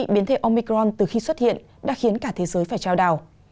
biến thể omicron từ khi xuất hiện đã khiến cả thế giới phải trao đào